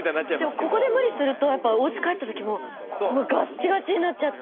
でもここで無理するとやっぱおうち帰ったときもここがガッチガチになっちゃって。